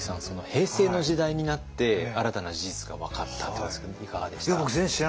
平成の時代になって新たな事実が分かったということなんですけどいかがでした？